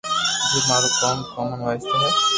جيم مارو ڪوم ڪومن وائس تو ھي